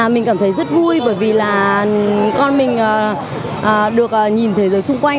mình cảm thấy rất vui bởi vì là con mình được nhìn thế giới xung quanh